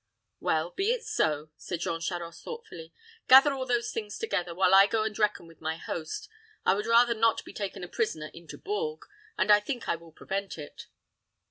"Well, be it so," said Jean Charost, thoughtfully. "Gather all those things together, while I go and reckon with my host. I would rather not be taken a prisoner into Bourges, and I think I will prevent it."